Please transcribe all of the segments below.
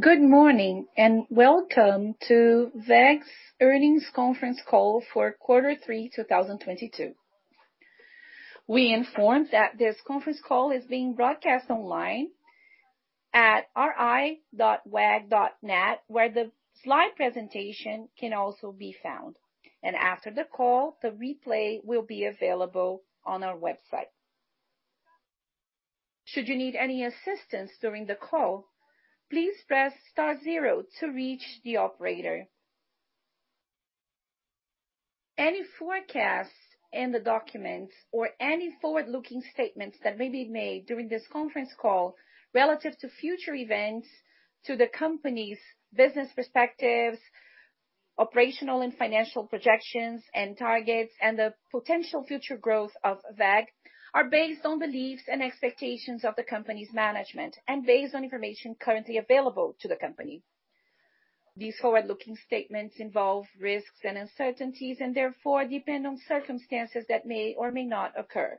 Good morning, and welcome to WEG's earnings conference call for quarter three, 2022. We inform that this conference call is being broadcast online at ri.weg.net, where the slide presentation can also be found. After the call, the replay will be available on our website. Should you need any assistance during the call, please press star zero to reach the operator. Any forecasts in the documents or any forward-looking statements that may be made during this conference call relative to future events to the company's business perspectives, operational and financial projections and targets, and the potential future growth of WEG, are based on beliefs and expectations of the company's management and based on information currently available to the company. These forward-looking statements involve risks and uncertainties, and therefore depend on circumstances that may or may not occur.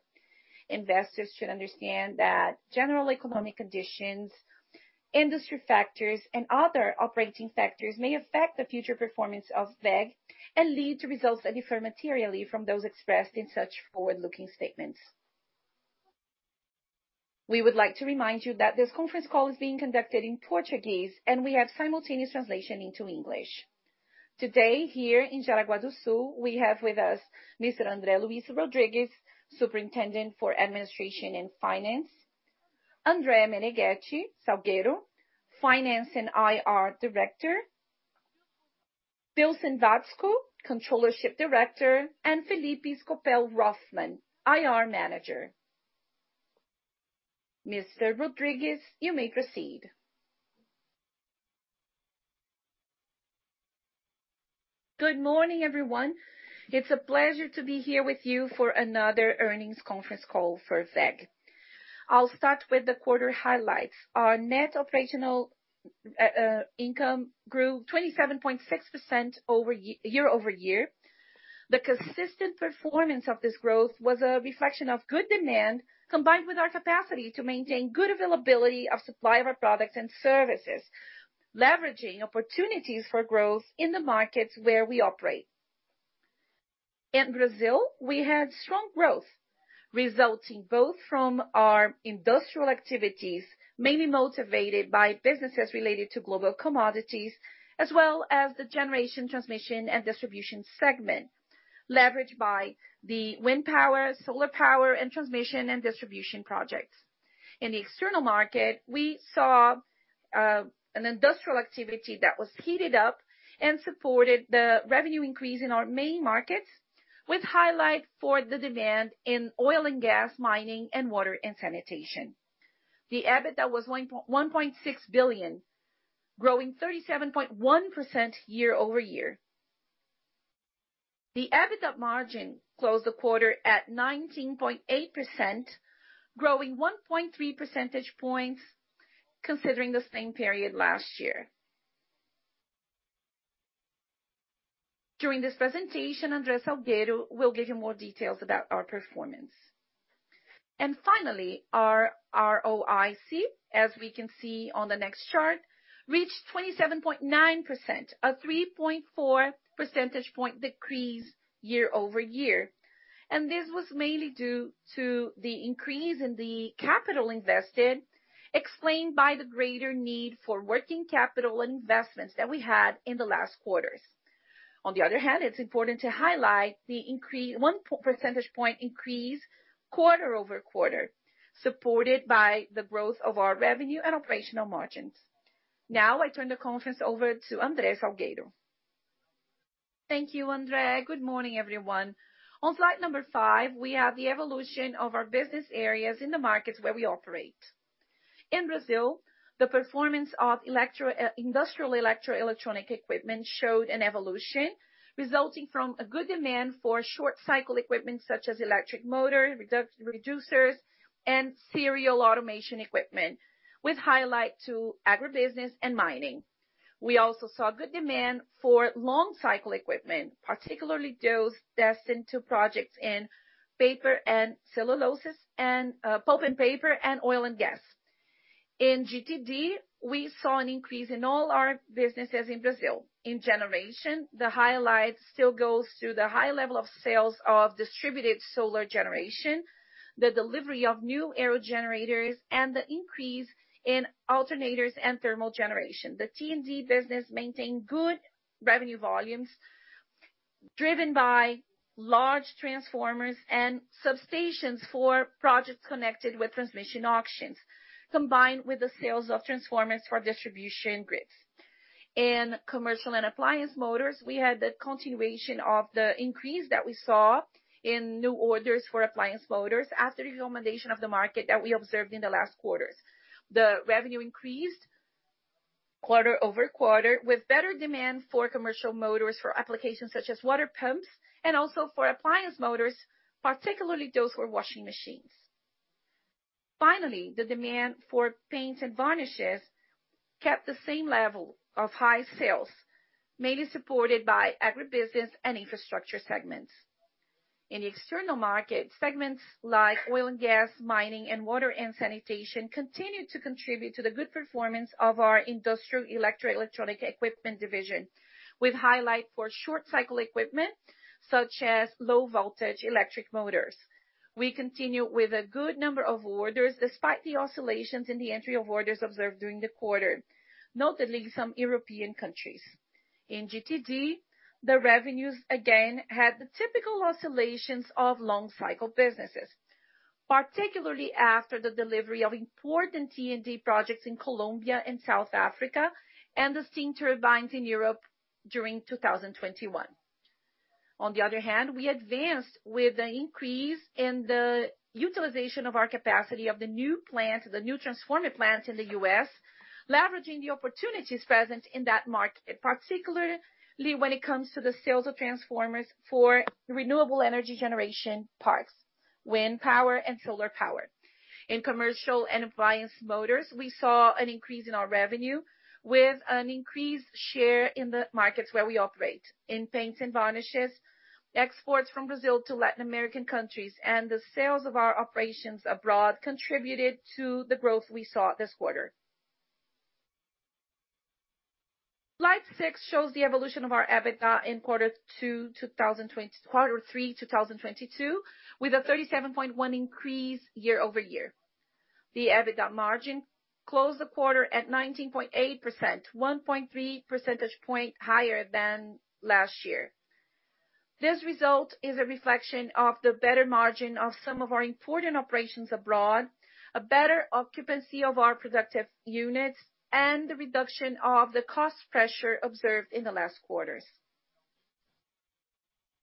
Investors should understand that general economic conditions, industry factors, and other operating factors may affect the future performance of WEG and lead to results that differ materially from those expressed in such forward-looking statements. We would like to remind you that this conference call is being conducted in Portuguese, and we have simultaneous translation into English. Today, here in Jaraguá do Sul, we have with us Mr. André Luís Rodrigues, Superintendent for Administration and Finance, André Menegueti Salgueiro, Finance and IR Director, Wilson Watzko, Controllership Director, and Felipe Scopel Hoffmann, IR Manager. Mr. Rodrigues, you may proceed. Good morning, everyone. It's a pleasure to be here with you for another earnings conference call for WEG. I'll start with the quarter highlights. Our net operational income grew 27.6% year-over-year. The consistent performance of this growth was a reflection of good demand, combined with our capacity to maintain good availability of supply of our products and services, leveraging opportunities for growth in the markets where we operate. In Brazil, we had strong growth, resulting both from our industrial activities, mainly motivated by businesses related to global commodities, as well as the generation, transmission, and distribution segment, leveraged by the wind power, solar power, and transmission and distribution projects. In the external market, we saw an industrial activity that was heated up and supported the revenue increase in our main markets with highlight for the demand in oil and gas, mining, and water and sanitation. The EBITDA was 1.16 billion, growing 37.1% year-over-year. The EBITDA margin closed the quarter at 19.8%, growing 1.3 percentage points considering the same period last year. During this presentation, André Salgueiro will give you more details about our performance. Finally, our ROIC, as we can see on the next chart, reached 27.9%, a 3.4 percentage point decrease year-over-year. This was mainly due to the increase in the capital invested, explained by the greater need for working capital and investments that we had in the last quarters. On the other hand, it's important to highlight the 1 percentage point increase quarter-over-quarter, supported by the growth of our revenue and operational margins. Now, I turn the conference over to André Salgueiro. Thank you, André. Good morning, everyone. On slide number five, we have the evolution of our business areas in the markets where we operate. In Brazil, the performance of industrial electro electronic equipment showed an evolution resulting from a good demand for short cycle equipment such as electric motor, reducers, and serial automation equipment, with highlight to agribusiness and mining. We also saw good demand for long cycle equipment, particularly those destined to projects in pulp and paper and oil and gas. In GTD, we saw an increase in all our businesses in Brazil. In generation, the highlight still goes to the high level of sales of distributed solar generation, the delivery of new aerogenerators, and the increase in alternators and thermal generation. The T&D business maintained good revenue volumes driven by large transformers and substations for projects connected with transmission auctions, combined with the sales of transformers for distribution grids. In commercial and appliance motors, we had the continuation of the increase that we saw in new orders for appliance motors after the recommendation of the market that we observed in the last quarters. The revenue increased quarter-over-quarter with better demand for commercial motors for applications such as water pumps and also for appliance motors, particularly those for washing machines. Finally, the demand for paints and varnishes kept the same level of high sales, mainly supported by agribusiness and infrastructure segments. In the external market, segments like oil and gas, mining, and water and sanitation continue to contribute to the good performance of our industrial electro electronic equipment division, with highlight for short cycle equipment such as low voltage electric motors. We continue with a good number of orders despite the oscillations in the entry of orders observed during the quarter, notably in some European countries. In GTD, the revenues again had the typical oscillations of long cycle businesses, particularly after the delivery of important T&D projects in Colombia and South Africa and the steam turbines in Europe during 2021. On the other hand, we advanced with the increase in the utilization of our capacity of the new plant, the new transformer plant in the U.S., leveraging the opportunities present in that market, particularly when it comes to the sales of transformers for renewable energy generation plants, wind power and solar power. In commercial and appliance motors, we saw an increase in our revenue with an increased share in the markets where we operate. In paints and varnishes, exports from Brazil to Latin American countries and the sales of our operations abroad contributed to the growth we saw this quarter. Slide six shows the evolution of our EBITDA in quarter three 2022, with a 37.1% increase year-over-year. The EBITDA margin closed the quarter at 19.8%, 1.3 percentage points higher than last year. This result is a reflection of the better margin of some of our important operations abroad, a better occupancy of our productive units, and the reduction of the cost pressure observed in the last quarters.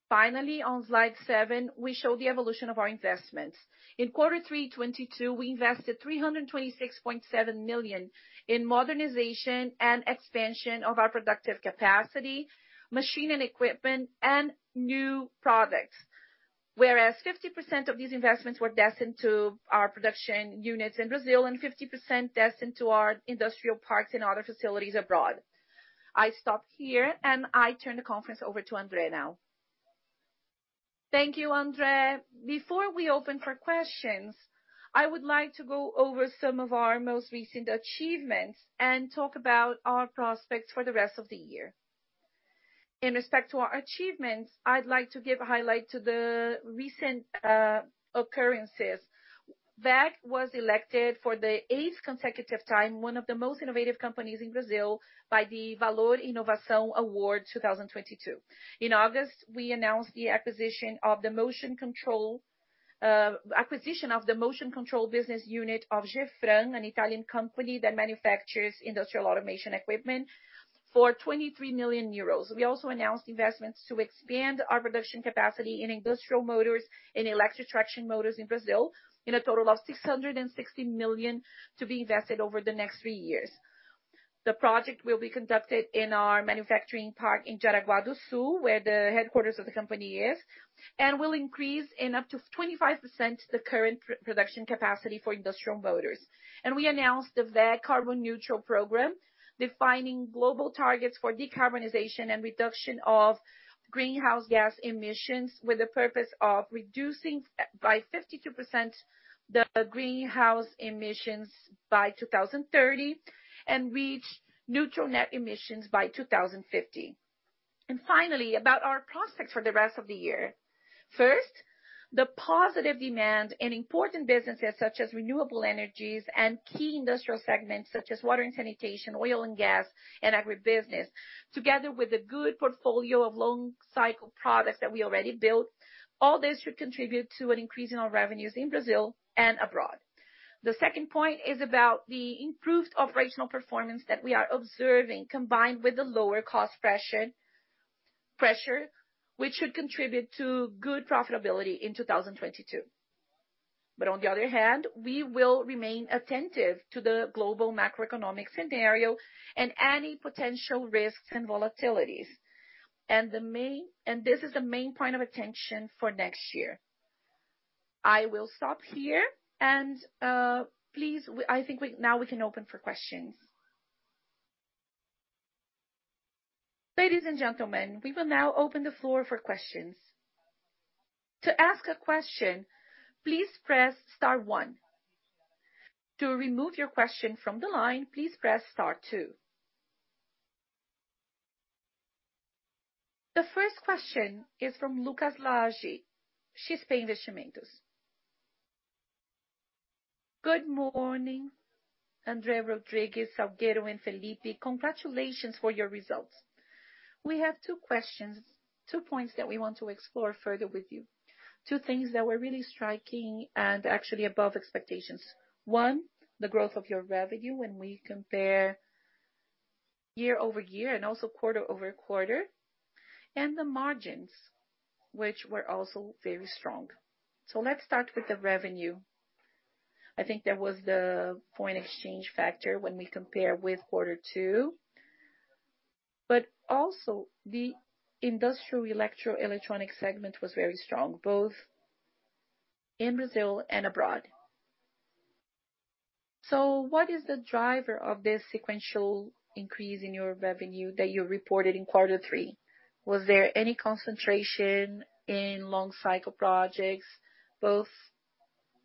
Finally, on slide seven, we show the evolution of our investments. In quarter three 2022, we invested 326.7 million in modernization and expansion of our productive capacity, machinery and equipment, and new products, whereas 50% of these investments were destined to our production units in Brazil and 50% destined to our industrial parks and other facilities abroad. I stop here and I turn the conference over to André now. Thank you, André. Before we open for questions, I would like to go over some of our most recent achievements and talk about our prospects for the rest of the year. In respect to our achievements, I'd like to give a highlight to the recent occurrences. WEG was elected for the eighth consecutive time one of the most innovative companies in Brazil by the Valor Inovação Brasil Award 2022. In August, we announced the acquisition of the motion control business unit of Gefran, an Italian company that manufactures industrial automation equipment, for 23 million euros. We also announced investments to expand our production capacity in industrial motors and electric traction motors in Brazil in a total of 660 million to be invested over the next three years. The project will be conducted in our manufacturing park in Jaraguá do Sul, where the headquarters of the company is, and will increase up to 25% the current production capacity for industrial motors. We announced the WEG Carbon Neutral Program, defining global targets for decarbonization and reduction of greenhouse gas emissions with the purpose of reducing by 52% the greenhouse emissions by 2030, and reach neutral net emissions by 2050. Finally, about our prospects for the rest of the year. First, the positive demand in important businesses such as renewable energies and key industrial segments such as water and sanitation, oil and gas, and agribusiness, together with a good portfolio of long cycle products that we already built, all this should contribute to an increase in our revenues in Brazil and abroad. The second point is about the improved operational performance that we are observing, combined with the lower cost pressure, which should contribute to good profitability in 2022. On the other hand, we will remain attentive to the global macroeconomic scenario and any potential risks and volatilities. This is the main point of attention for next year. I will stop here and, please, I think now we can open for questions. Ladies and gentlemen, we will now open the floor for questions. To ask a question, please press star one. To remove your question from the line, please press star two. The first question is from Lucas Laghi, XP Investimentos. Good morning, André Rodrigues, Salgueiro, and Felipe. Congratulations for your results. We have two questions, two points that we want to explore further with you. Two things that were really striking and actually above expectations. One, the growth of your revenue when we compare year-over-year and also quarter-over-quarter, and the margins, which were also very strong. Let's start with the revenue. I think there was the foreign exchange factor when we compare with quarter two, but also the industrial electro-electronic segment was very strong, both in Brazil and abroad. What is the driver of this sequential increase in your revenue that you reported in quarter three? Was there any concentration in long cycle projects, both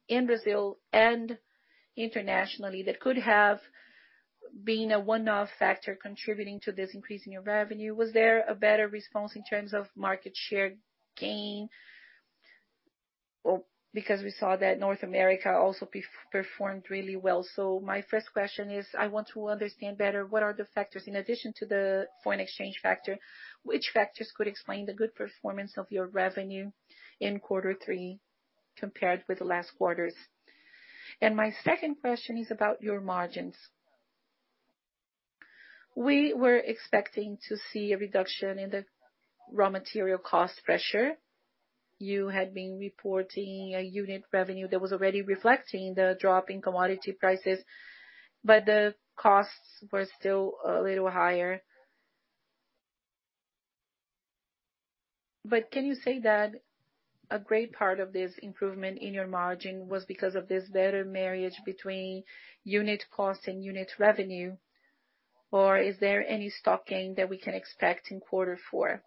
in Brazil and internationally, that could have been a one-off factor contributing to this increase in your revenue? Was there a better response in terms of market share gain? Or, because we saw that North America also performed really well. My first question is, I want to understand better what are the factors, in addition to the foreign exchange factor, which factors could explain the good performance of your revenue in quarter three compared with the last quarters. My second question is about your margins. We were expecting to see a reduction in the raw material cost pressure. You had been reporting a unit revenue that was already reflecting the drop in commodity prices, but the costs were still a little higher. Can you say that a great part of this improvement in your margin was because of this better marriage between unit cost and unit revenue, or is there any stock gain that we can expect in quarter four?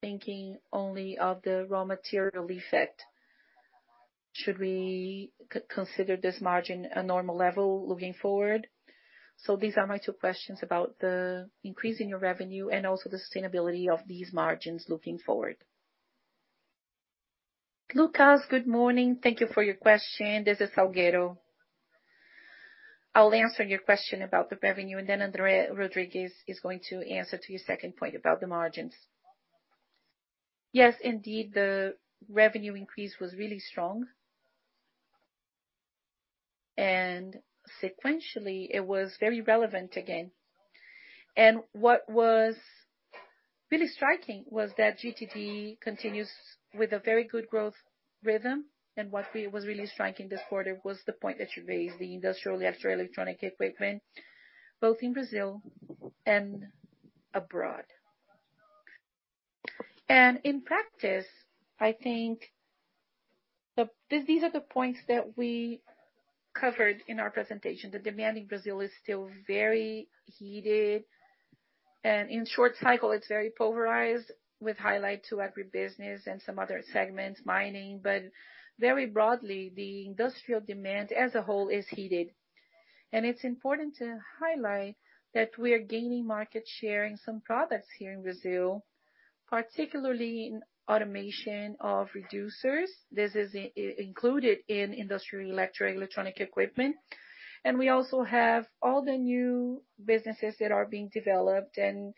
Thinking only of the raw material effect, should we consider this margin a normal level looking forward? These are my two questions about the increase in your revenue and also the sustainability of these margins looking forward Lucas, good morning. Thank you for your question. This is Salgueiro. I'll answer your question about the revenue, and then André Rodrigues is going to answer to your second point about the margins. Yes, indeed, the revenue increase was really strong. Sequentially, it was very relevant again. What was really striking was that GTD continues with a very good growth rhythm, and what was really striking this quarter was the point that you raised, the industrial electronic equipment, both in Brazil and abroad. In practice, I think these are the points that we covered in our presentation. The demand in Brazil is still very heated, and in short cycle, it's very polarized, with highlight to agribusiness and some other segments, mining. Very broadly, the industrial demand as a whole is heated. It's important to highlight that we are gaining market share in some products here in Brazil, particularly in automation of reducers. This is included in industrial electronic equipment. We also have all the new businesses that are being developed, and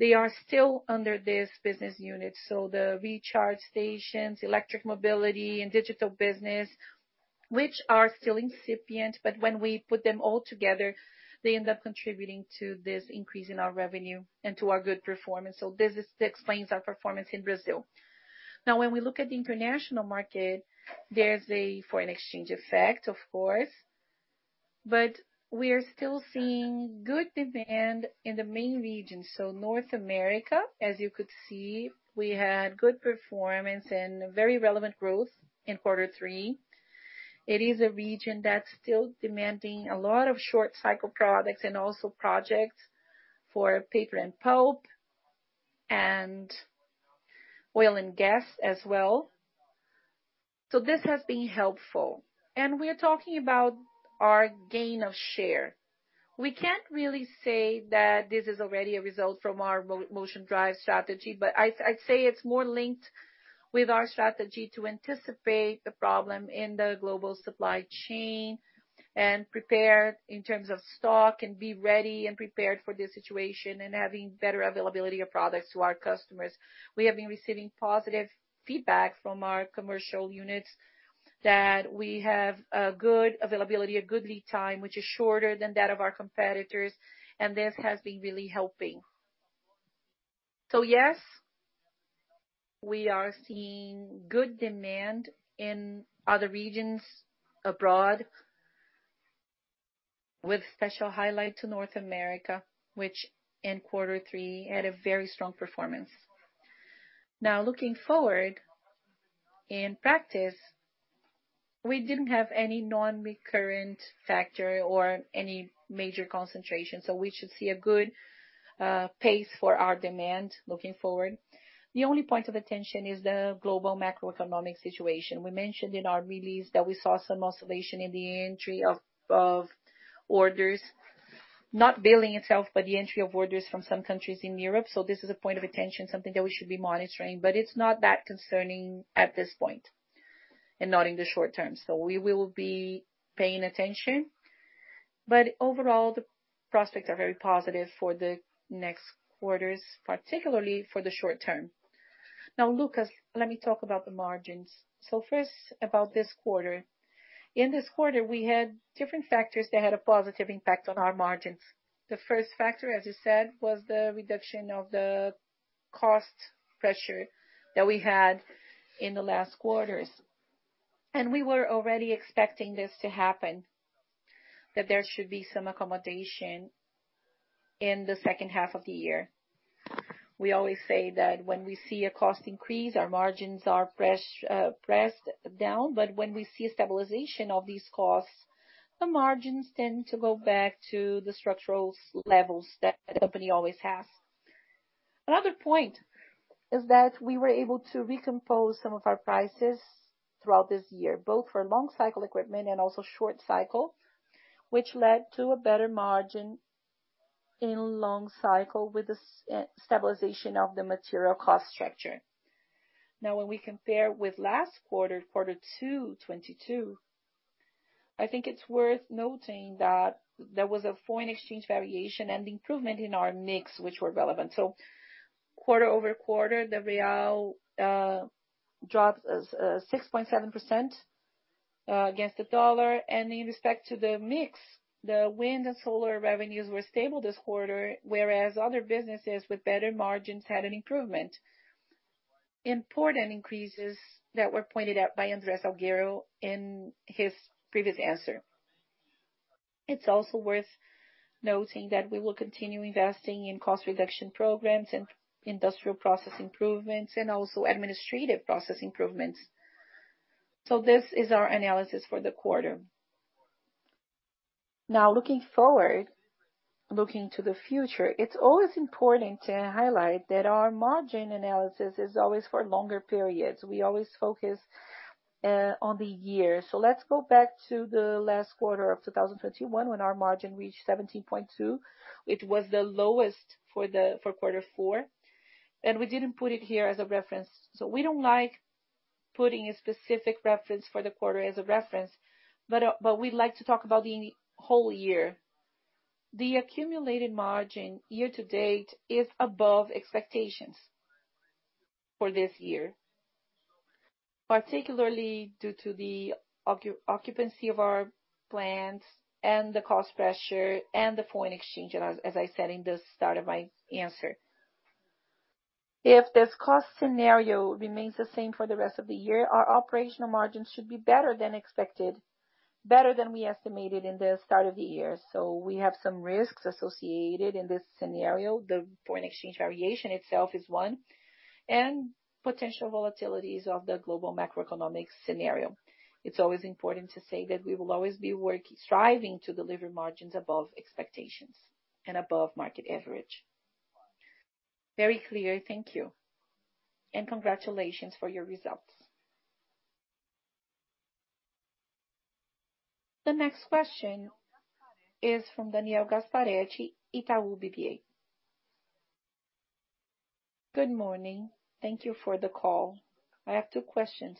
they are still under this business unit. The recharge stations, electric mobility and digital business, which are still incipient, but when we put them all together, they end up contributing to this increase in our revenue and to our good performance. This explains our performance in Brazil. Now, when we look at the international market, there's a foreign exchange effect, of course, but we are still seeing good demand in the main regions. North America, as you could see, we had good performance and very relevant growth in quarter three. It is a region that's still demanding a lot of short cycle products and also projects for paper and pulp and oil and gas as well. This has been helpful. We're talking about our gain of share. We can't really say that this is already a result from our Motion Drives strategy, but I'd say it's more linked with our strategy to anticipate the problem in the global supply chain and prepare in terms of stock and be ready and prepared for this situation and having better availability of products to our customers. We have been receiving positive feedback from our commercial units that we have a good availability, a good lead time, which is shorter than that of our competitors, and this has been really helping. Yes, we are seeing good demand in other regions abroad with special highlight to North America, which in quarter three had a very strong performance. Now looking forward, in practice, we didn't have any non-recurrent factor or any major concentration, so we should see a good pace for our demand looking forward. The only point of attention is the global macroeconomic situation. We mentioned in our release that we saw some oscillation in the entry of orders, not billing itself, but the entry of orders from some countries in Europe. This is a point of attention, something that we should be monitoring, but it's not that concerning at this point, and not in the short term. We will be paying attention. Overall, the prospects are very positive for the next quarters, particularly for the short-term. Now, Lucas, let me talk about the margins. First, about this quarter. In this quarter, we had different factors that had a positive impact on our margins. The first factor, as you said, was the reduction of the cost pressure that we had in the last quarters. We were already expecting this to happen. That there should be some accommodation in the second half of the year. We always say that when we see a cost increase, our margins are pressed down, but when we see a stabilization of these costs, the margins tend to go back to the structural levels that the company always has. Another point is that we were able to recompose some of our prices throughout this year, both for long cycle equipment and also short cycle, which led to a better margin in long cycle with the stabilization of the material cost structure. Now, when we compare with last quarter, quarter two 2022, I think it's worth noting that there was a foreign exchange variation and improvement in our mix, which were relevant. Quarter-over-quarter, the real dropped 6.7% against the dollar. In respect to the mix, the wind and solar revenues were stable this quarter, whereas other businesses with better margins had an improvement. Important increases that were pointed out by André Menegueti Salgueiro in his previous answer. It's also worth noting that we will continue investing in cost reduction programs and industrial process improvements and also administrative process improvements. This is our analysis for the quarter. Now, looking forward, looking to the future, it's always important to highlight that our margin analysis is always for longer periods. We always focus on the year. Let's go back to the last quarter of 2021, when our margin reached 17.2%. It was the lowest for quarter four, and we didn't put it here as a reference. We don't like putting a specific reference for the quarter as a reference, but we'd like to talk about the whole year. The accumulated margin year to date is above expectations for this year, particularly due to the occupancy of our plants and the cost pressure and the foreign exchange, as I said in the start of my answer. If this cost scenario remains the same for the rest of the year, our operational margins should be better than expected, better than we estimated in the start of the year. We have some risks associated in this scenario. The foreign exchange variation itself is one, and potential volatilities of the global macroeconomic scenario. It's always important to say that we will always be striving to deliver margins above expectations and above market average. Very clear. Thank you. Congratulations for your results. The next question is from Daniel Gasparete, Itaú BBA. Good morning. Thank you for the call. I have two questions.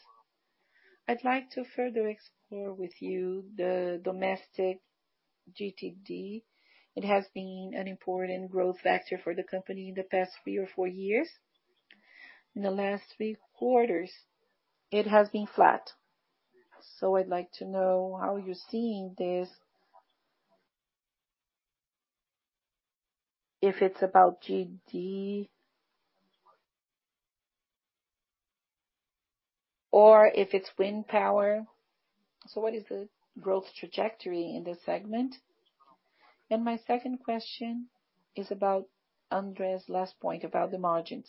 I'd like to further explore with you the domestic GTD. It has been an important growth factor for the company in the past three or four years. In the last three quarters, it has been flat. I'd like to know how you're seeing this? If it's about GTD or if it's wind power. What is the growth trajectory in this segment? My second question is about André's last point about the margins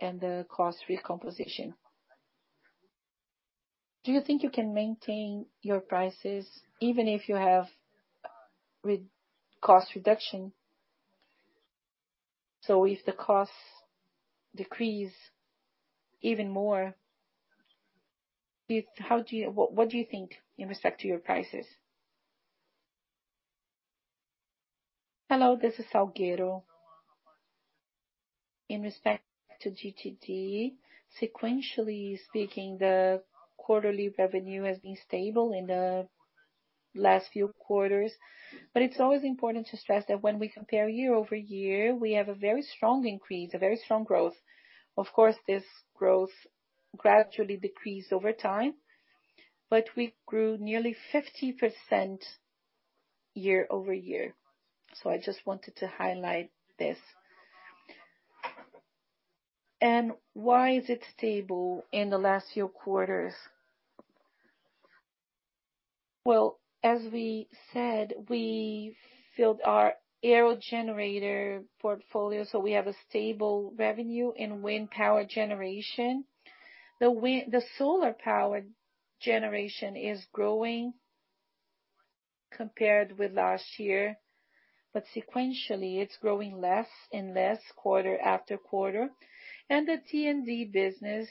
and the cost recomposition. Do you think you can maintain your prices even if you have cost reduction? If the costs decrease even more, what do you think in respect to your prices? Hello, this is Salgueiro. In respect to GTD, sequentially speaking, the quarterly revenue has been stable in the last few quarters. It's always important to stress that when we compare year-over-year, we have a very strong increase, a very strong growth. Of course, this growth gradually decreased over time, but we grew nearly 50% year-over-year. I just wanted to highlight this. Why is it stable in the last few quarters? Well, as we said, we filled our aerogenerator portfolio, so we have a stable revenue in wind power generation. The solar power generation is growing compared with last year, but sequentially, it's growing less and less quarter after quarter. The T&D business,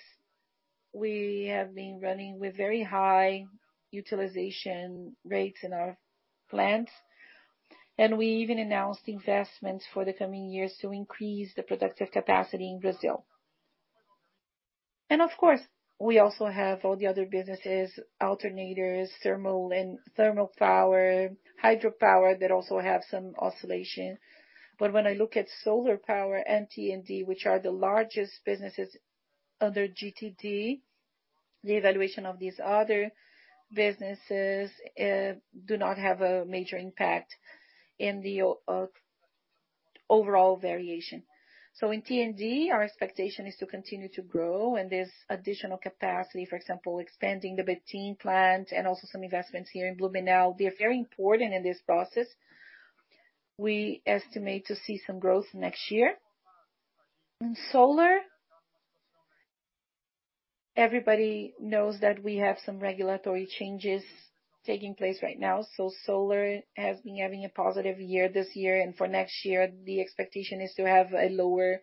we have been running with very high utilization rates in our plants, and we even announced investments for the coming years to increase the productive capacity in Brazil. Of course, we also have all the other businesses, alternators, thermal and thermal power, hydropower, that also have some oscillation. When I look at solar power and T&D, which are the largest businesses under GTD, the evaluation of these other businesses do not have a major impact in the Overall variation. In T&D, our expectation is to continue to grow and there's additional capacity, for example, expanding the Betim plant and also some investments here in Blumenau. They're very important in this process. We estimate to see some growth next year. In solar, everybody knows that we have some regulatory changes taking place right now. Solar has been having a positive year this year. For next year, the expectation is to have a lower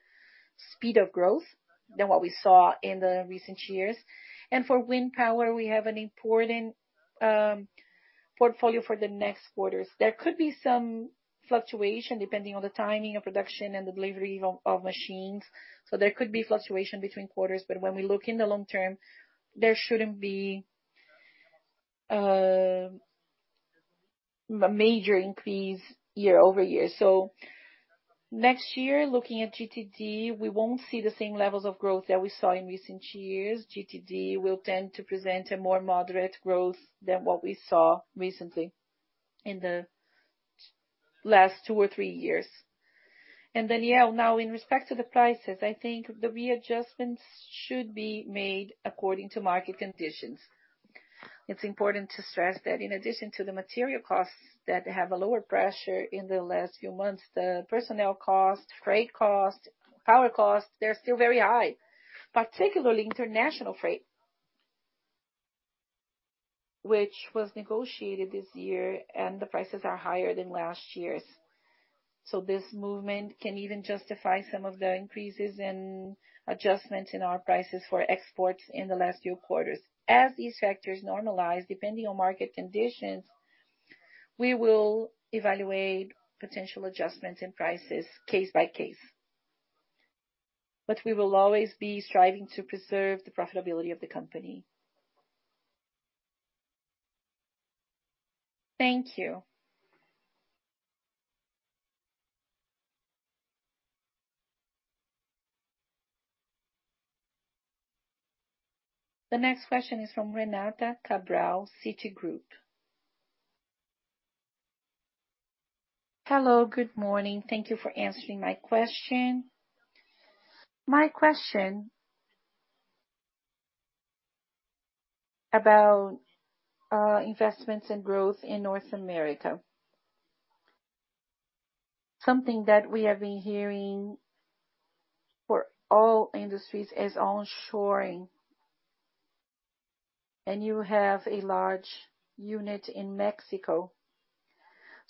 speed of growth than what we saw in the recent years. For wind power, we have an important portfolio for the next quarters. There could be some fluctuation depending on the timing of production and the delivery of machines. There could be fluctuation between quarters. When we look in the long term, there shouldn't be a major increase year-over-year. Next year, looking at GTD, we won't see the same levels of growth that we saw in recent years. GTD will tend to present a more moderate growth than what we saw recently in the last two or three years. Now in respect to the prices, I think the readjustments should be made according to market conditions. It's important to stress that in addition to the material costs that have a lower pressure in the last few months, the personnel costs, freight costs, power costs, they're still very high. Particularly international freight, which was negotiated this year, and the prices are higher than last year's. This movement can even justify some of the increases in adjustments in our prices for exports in the last few quarters. As these factors normalize, depending on market conditions, we will evaluate potential adjustments in prices case by case. We will always be striving to preserve the profitability of the company. Thank you. The next question is from Renata Cabral, Citigroup. Hello, good morning. Thank you for answering my question. My question about investments and growth in North America. Something that we have been hearing for all industries is onshoring, and you have a large unit in Mexico.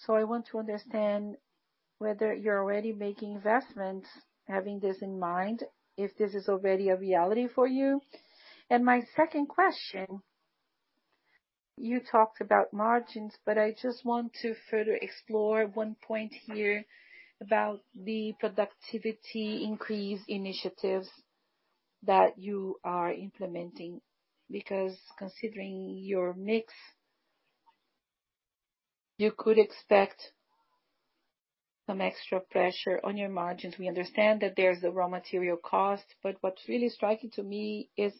I want to understand whether you're already making investments, having this in mind, if this is already a reality for you? My second question, you talked about margins, but I just want to further explore one point here about the productivity increase initiatives that you are implementing. Because considering your mix, you could expect some extra pressure on your margins. We understand that there's the raw material cost, but what's really striking to me is,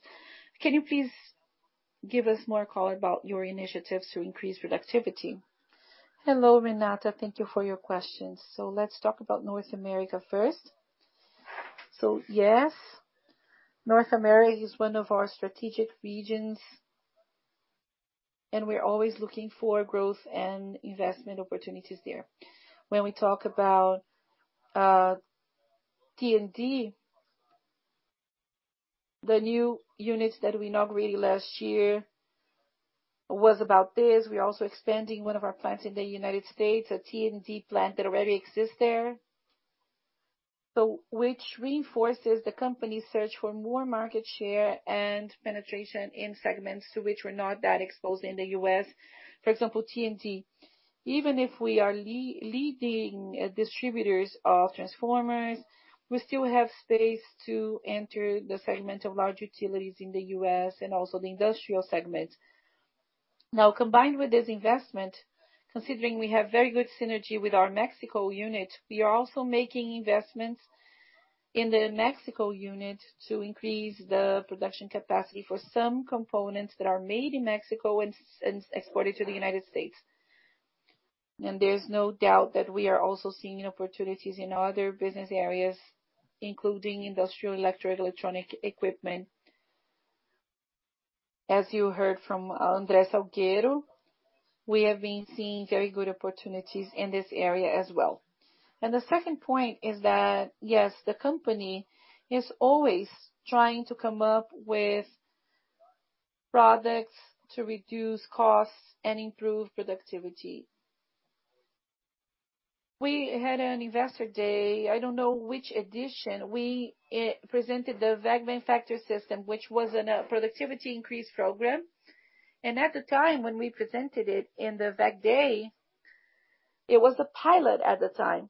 can you please give us more color about your initiatives to increase productivity? Hello, Renata. Thank you for your questions. Let's talk about North America first. Yes, North America is one of our strategic regions, and we're always looking for growth and investment opportunities there. When we talk about T&D, the new units that we inaugurated last year was about this. We're also expanding one of our plants in the United States, a T&D plant that already exists there. Which reinforces the company's search for more market share and penetration in segments to which we're not that exposed in the U.S. For example, T&D. Even if we are leading distributors of transformers, we still have space to enter the segment of large utilities in the U.S. and also the industrial segment. Now, combined with this investment, considering we have very good synergy with our Mexico unit, we are also making investments in the Mexico unit to increase the production capacity for some components that are made in Mexico and exported to the United States. There's no doubt that we are also seeing opportunities in other business areas, including industrial electric electronic equipment. As you heard from André Menegueti Salgueiro, we have been seeing very good opportunities in this area as well. The second point is that, yes, the company is always trying to come up with products to reduce costs and improve productivity. We had an investor day, I don't know which edition. We presented the WEG Manufacturing System, which was a productivity increase program. At the time when we presented it in the WEG Day, it was a pilot at the time.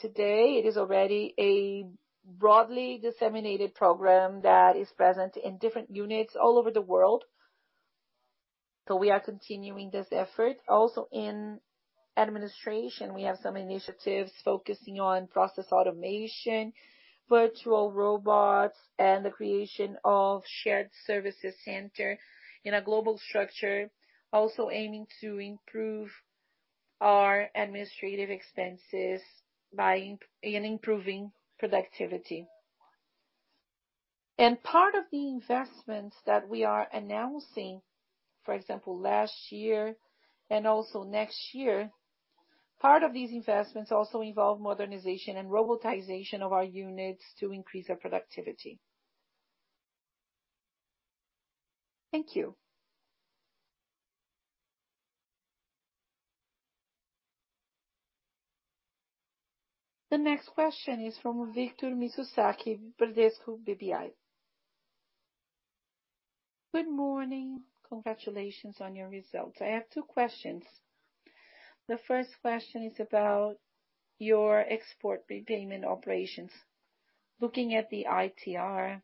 Today it is already a broadly disseminated program that is present in different units all over the world. We are continuing this effort. Also in administration, we have some initiatives focusing on process automation, virtual robots, and the creation of shared services center in a global structure, also aiming to improve our administrative expenses by improving productivity. Part of the investments that we are announcing, for example last year and also next year, part of these investments also involve modernization and robotization of our units to increase our productivity. Thank you. The next question is from Victor Mizusaki, Bradesco BBI. Good morning. Congratulations on your results. I have two questions. The first question is about your export prepayment operations. Looking at the ITR,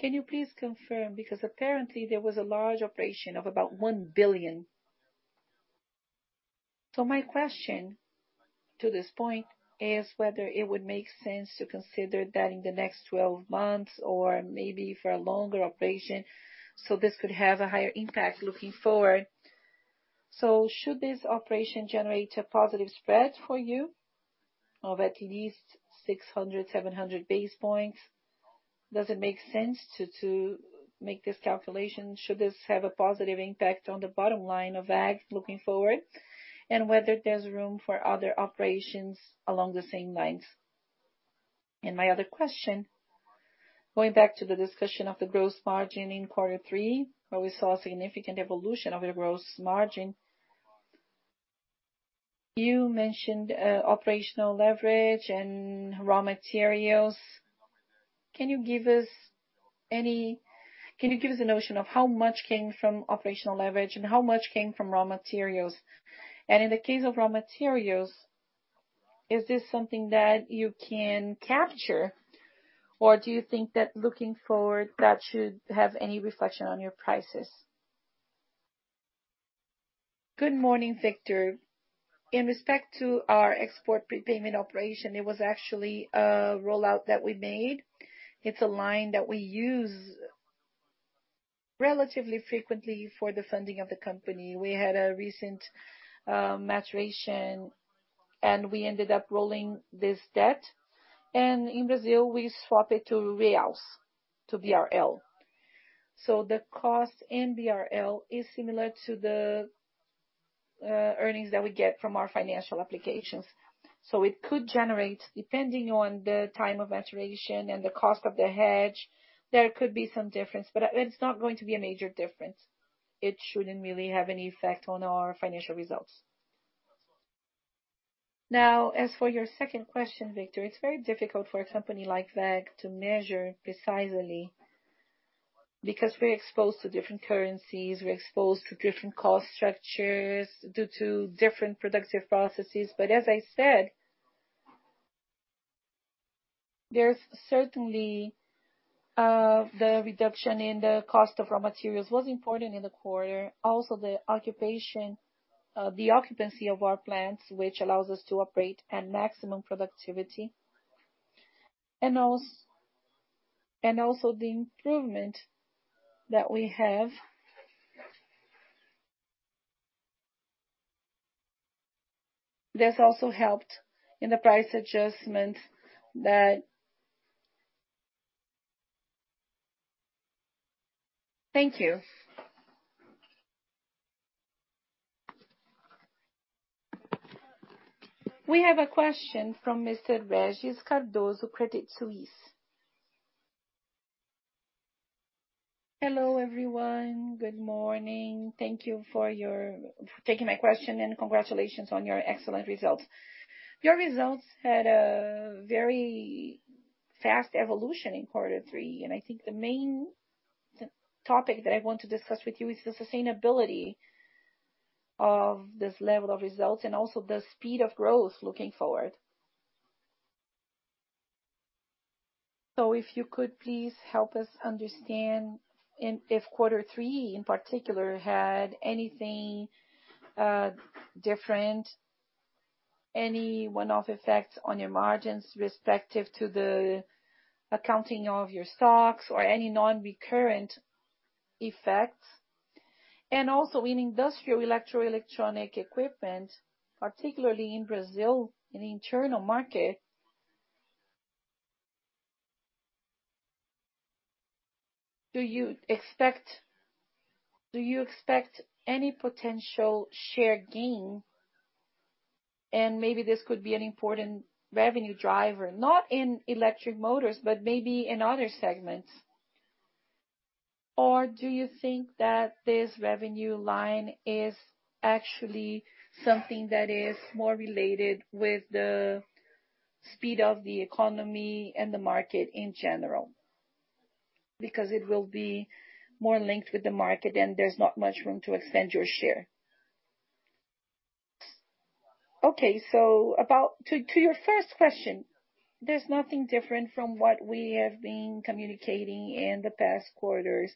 can you please confirm, because apparently there was a large operation of about 1 billion. My question to this point is whether it would make sense to consider that in the next 12 months or maybe for a longer operation, so this could have a higher impact looking forward? Should this operation generate a positive spread for you of at least 600-700 basis points? Does it make sense to make this calculation? Should this have a positive impact on the bottom line of WEG looking forward? Whether there's room for other operations along the same lines? My other question, going back to the discussion of the gross margin in quarter three, where we saw a significant evolution of the gross margin. You mentioned operational leverage and raw materials. Can you give us a notion of how much came from operational leverage and how much came from raw materials? And in the case of raw materials, is this something that you can capture? Or do you think that looking forward, that should have any reflection on your prices? Good morning, Victor. In respect to our export prepayment operation, it was actually a rollout that we made. It's a line that we use relatively frequently for the funding of the company. We had a recent maturity, and we ended up rolling this debt. In Brazil, we swap it to real, to BRL. The cost in BRL is similar to the earnings that we get from our financial applications. It could generate, depending on the time of maturation and the cost of the hedge, there could be some difference, but it's not going to be a major difference. It shouldn't really have any effect on our financial results. Now, as for your second question, Victor, it's very difficult for a company like WEG to measure precisely because we're exposed to different currencies, we're exposed to different cost structures due to different productive processes. As I said, there's certainly the reduction in the cost of raw materials was important in the quarter. Also the occupation, the occupancy of our plants which allows us to operate at maximum productivity. And also the improvement that we have. That's also helped in the price adjustment that Thank you. We have a question from Mr. Regis Cardoso, Credit Suisse. Hello everyone. Good morning. Thank you for taking my question and congratulations on your excellent results. Your results had a very fast evolution in quarter three and I think the main topic that I want to discuss with you is the sustainability of this level of results and also the speed of growth looking forward. If you could please help us understand if quarter three in particular had anything different, any one-off effects on your margins respective to the accounting of your stocks or any non-recurrent effects? Also in industrial electro electronic equipment, particularly in Brazil, in the internal market, do you expect any potential share gain? Maybe this could be an important revenue driver, not in electric motors, but maybe in other segments. Do you think that this revenue line is actually something that is more related with the speed of the economy and the market in general? Because it will be more linked with the market and there's not much room to expand your share. Okay. To your first question, there's nothing different from what we have been communicating in the past quarters.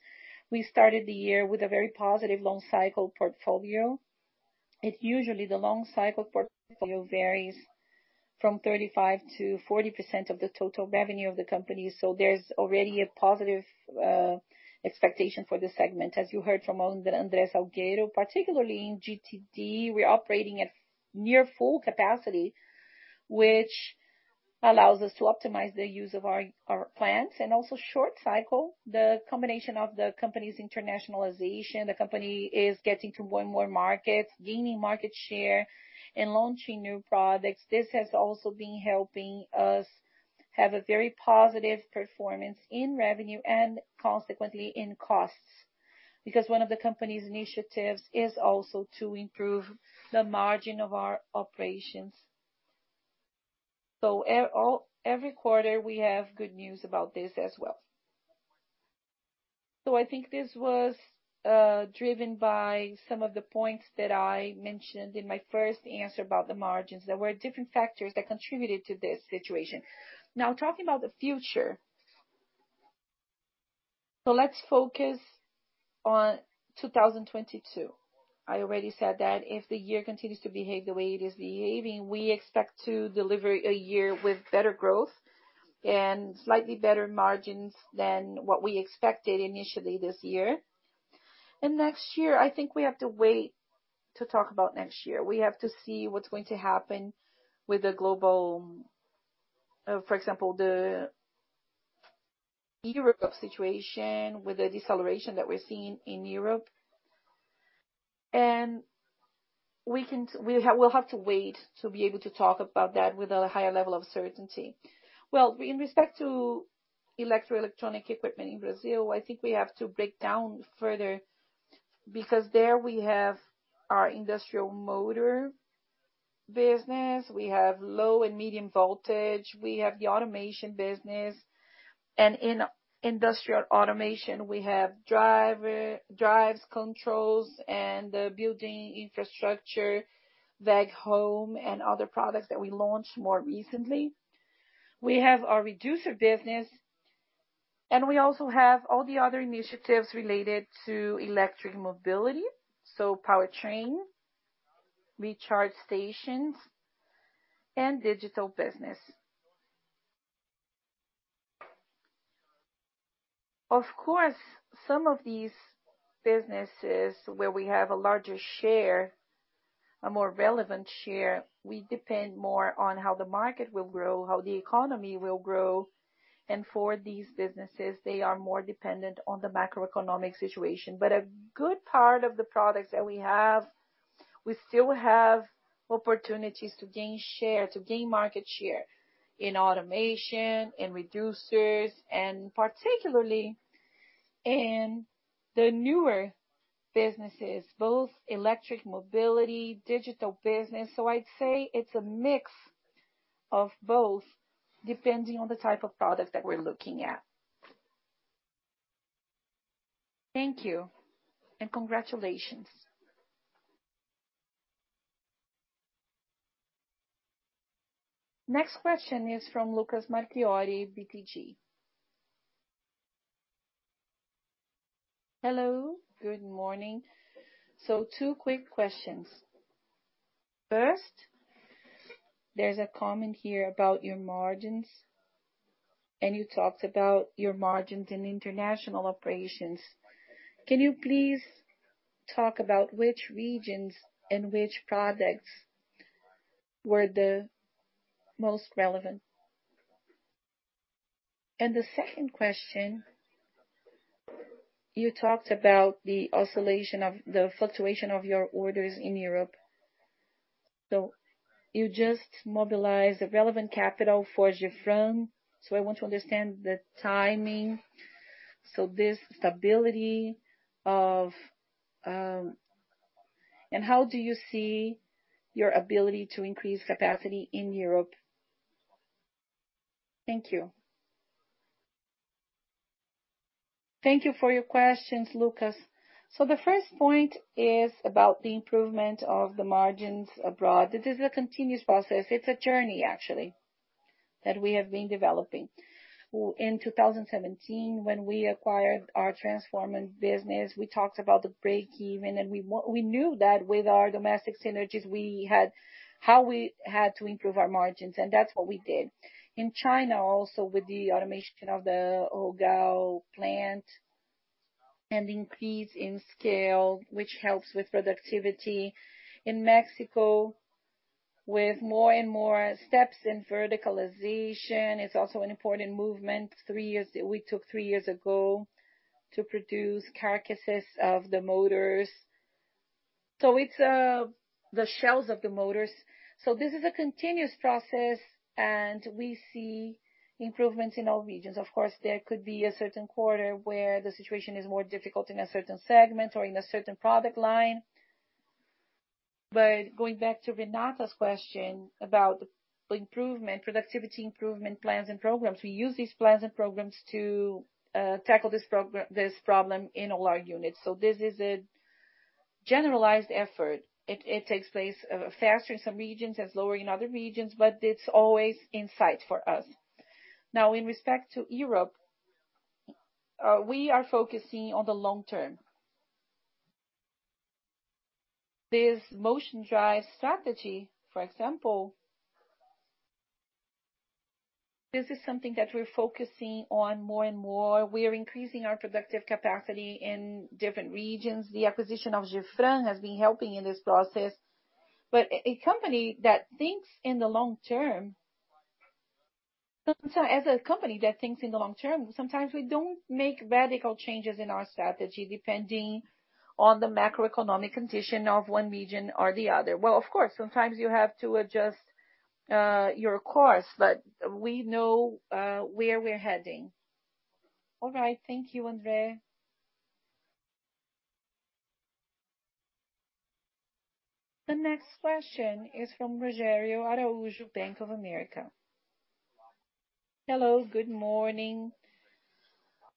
We started the year with a very positive long cycle portfolio. It's usually the long cycle portfolio varies from 35%-40% of the total revenue of the company. There's already a positive expectation for this segment. As you heard from André Menegueti Salgueiro, particularly in GTD, we're operating at near full capacity, which allows us to optimize the use of our plants and also short cycle. The combination of the company's internationalization, the company is getting to more and more markets, gaining market share and launching new products. This has also been helping us have a very positive performance in revenue and consequently in costs. Because one of the company's initiatives is also to improve the margin of our operations. Every quarter, we have good news about this as well. I think this was driven by some of the points that I mentioned in my first answer about the margins. There were different factors that contributed to this situation. Now talking about the future. Let's focus on 2022. I already said that if the year continues to behave the way it is behaving, we expect to deliver a year with better growth and slightly better margins than what we expected initially this year. Next year, I think we have to wait to talk about next year. We have to see what's going to happen with the global, for example, the Europe situation, with the deceleration that we're seeing in Europe. We'll have to wait to be able to talk about that with a higher level of certainty. Well, in respect to electro electronic equipment in Brazil, I think we have to break down further because there we have our industrial motor business. We have low and medium voltage. We have the automation business. In industrial automation, we have drives, controls and building infrastructure, WEG Home and other products that we launched more recently. We have our reducer business, and we also have all the other initiatives related to electric mobility, so Powertrain, recharge stations and digital business. Of course, some of these businesses where we have a larger share, a more relevant share, we depend more on how the market will grow, how the economy will grow. For these businesses, they are more dependent on the macroeconomic situation. A good part of the products that we have, we still have opportunities to gain share, to gain market share in automation, in reducers and particularly in the newer businesses, both electric mobility, digital business. I'd say it's a mix of both, depending on the type of product that we're looking at. Thank you and congratulations. Next question is from Lucas Marquiori, BTG. Hello, good morning. Two quick questions. First, there's a comment here about your margins, and you talked about your margins in international operations. Can you please talk about which regions and which products were the most relevant? The second question, you talked about the fluctuation of your orders in Europe. You just mobilized relevant capital for Gefran. I want to understand the timing. This stability of and how do you see your ability to increase capacity in Europe? Thank you. Thank you for your questions, Lucas. The first point is about the improvement of the margins abroad. It is a continuous process. It's a journey, actually, that we have been developing. In 2017, when we acquired our transforming business, we talked about the break-even, and we knew that with our domestic synergies we had to improve our margins, and that's what we did. In China also with the automation of the Rugao plant and increase in scale, which helps with productivity. In Mexico, with more and more steps in verticalization, it's also an important movement we took three years ago to produce carcasses of the motors. It's the shells of the motors. This is a continuous process, and we see improvements in all regions. Of course, there could be a certain quarter where the situation is more difficult in a certain segment or in a certain product line. Going back to Renata's question about improvement, productivity improvement plans and programs, we use these plans and programs to tackle this problem in all our units. This is a generalized effort. It takes place faster in some regions and slower in other regions, but it's always in sight for us. Now, in respect to Europe, we are focusing on the long-term. This Motion Drives strategy, for example. This is something that we're focusing on more and more. We are increasing our productive capacity in different regions. The acquisition of Gefran has been helping in this process. A company that thinks in the long term, sometimes we don't make radical changes in our strategy, depending on the macroeconomic condition of one region or the other. Well, of course, sometimes you have to adjust your course, but we know where we're heading. All right. Thank you, André. The next question is from Rogério Araújo, Bank of America. Hello, good morning.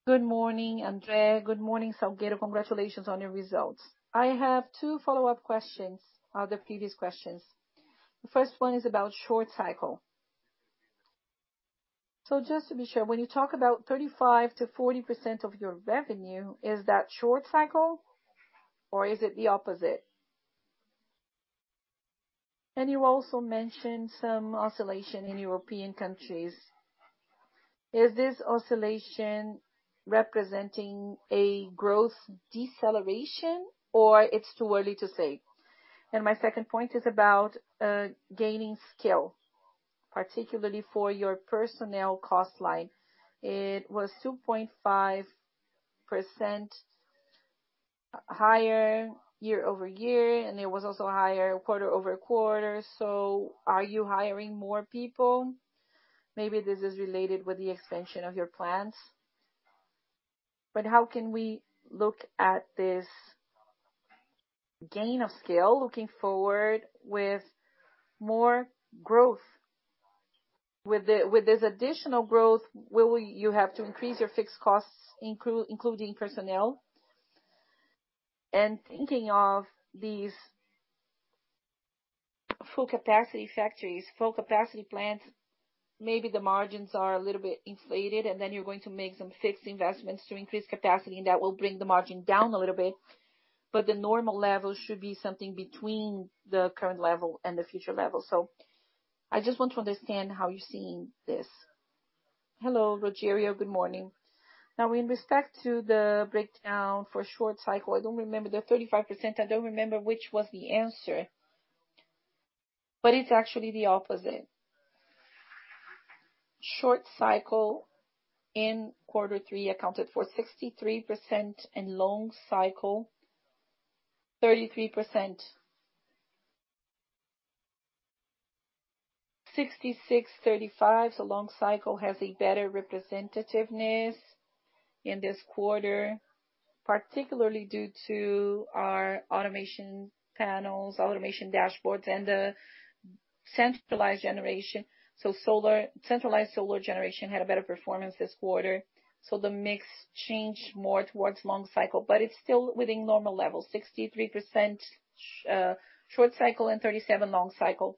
Good morning, André. Good morning, Salgueiro. Congratulations on your results. I have two follow-up questions on the previous questions. The first one is about short cycle. Just to be sure, when you talk about 35%-40% of your revenue, is that short cycle or is it the opposite? You also mentioned some oscillation in European countries. Is this oscillation representing a growth deceleration, or it's too early to say? My second point is about gaining scale, particularly for your personnel cost line. It was 2.5% higher year-over-year, and it was also higher quarter-over-quarter. Are you hiring more people? Maybe this is related with the expansion of your plants. How can we look at this gain of scale, looking forward with more growth? With this additional growth, will you have to increase your fixed costs, including personnel? Thinking of these full capacity factories, full capacity plants, maybe the margins are a little bit inflated, and then you're going to make some fixed investments to increase capacity, and that will bring the margin down a little bit, but the normal level should be something between the current level and the future level. I just want to understand how you're seeing this? Hello, Rogério Araújo. Good morning. Now, in respect to the breakdown for short cycle, I don't remember the 35%, I don't remember which was the answer, but it's actually the opposite. Short cycle in quarter three accounted for 63% and long cycle, 33%. 66%, 35%, so long cycle has a better representativeness in this quarter, particularly due to our automation panels, automation dashboards and, centralized generation. Centralized solar generation had a better performance this quarter, so the mix changed more towards long cycle, but it's still within normal levels, 63% short cycle and 37% long cycle.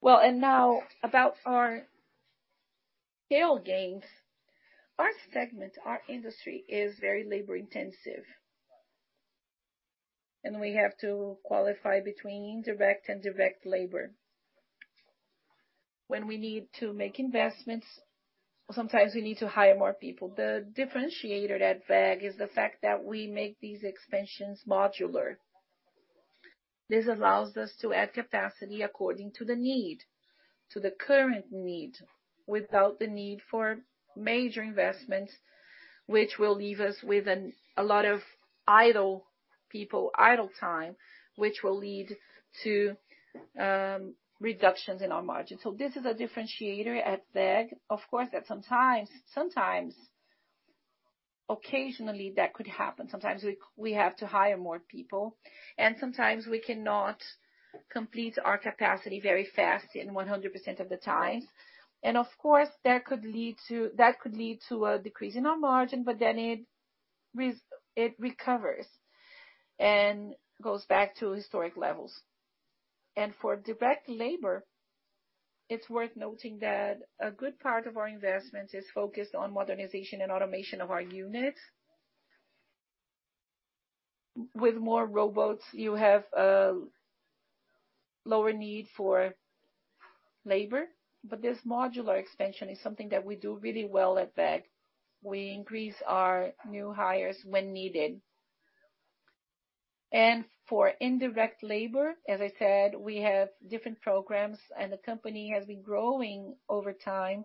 Well, now about our scale gains. Our segment, our industry is very labor-intensive, and we have to distinguish between direct and indirect labor. When we need to make investments, sometimes we need to hire more people. The differentiator at WEG is the fact that we make these expansions modular. This allows us to add capacity according to the need, to the current need, without the need for major investments, which will leave us with a lot of idle people, idle time, which will lead to reductions in our margin. This is a differentiator at WEG. Of course, sometimes, occasionally that could happen. Sometimes we have to hire more people, and sometimes we cannot complete our capacity very fast in 100% of the times. Of course, that could lead to a decrease in our margin, but then it recovers and goes back to historic levels. For direct labor, it's worth noting that a good part of our investment is focused on modernization and automation of our unit. With more robots, you have a lower need for labor, but this modular expansion is something that we do really well at WEG. We increase our new hires when needed. For indirect labor, as I said, we have different programs, and the company has been growing over time.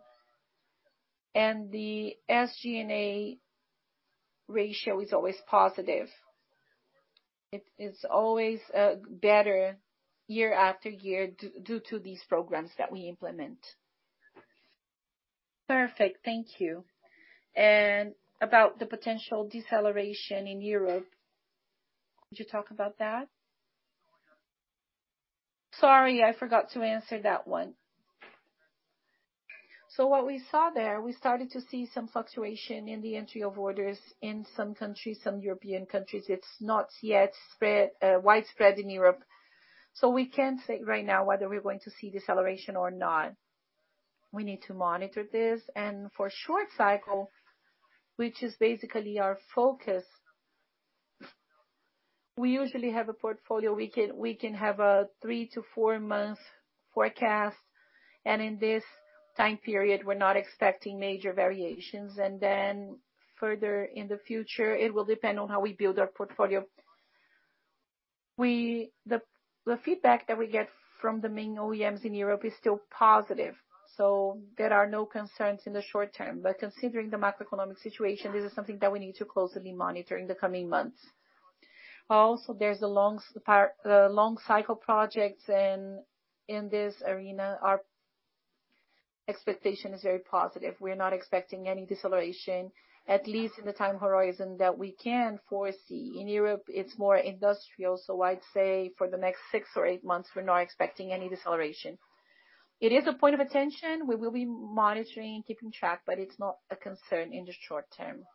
The SG&A ratio is always positive. It's always better year after year due to these programs that we implement. Perfect. Thank you. About the potential deceleration in Europe, could you talk about that? Sorry, I forgot to answer that one. What we saw there, we started to see some fluctuation in the entry of orders in some countries, some European countries. It's not yet widespread in Europe. We can't say right now whether we're going to see deceleration or not. We need to monitor this. For short cycle, which is basically our focus. We usually have a portfolio we can have a 3-4 month forecast, and in this time period, we're not expecting major variations. Then further in the future, it will depend on how we build our portfolio. The feedback that we get from the main OEMs in Europe is still positive, so there are no concerns in the short-term. Considering the macroeconomic situation, this is something that we need to closely monitor in the coming months. Also, there's the long cycle projects in this arena. Our expectation is very positive. We're not expecting any deceleration, at least in the time horizon that we can foresee. In Europe, it's more industrial, so I'd say for the next six or eight months, we're not expecting any deceleration. It is a point of attention. We will be monitoring and keeping track, but it's not a concern in the short term.